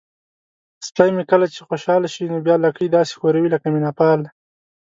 سپی مې کله چې خوشحاله شي نو بیا لکۍ داسې ښوروي لکه مینه وال.